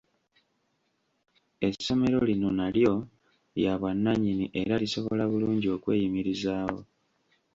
Essomero lino nalyo lya bwannannyini era lisobola bulungi okweyimirizaawo.